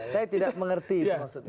saya tidak mengerti itu maksudnya